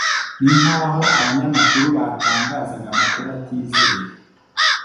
ni nk'aho abanyamakuru batangazaga amakuru atizewe